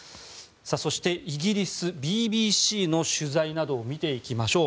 そしてイギリスＢＢＣの取材などを見ていきましょう。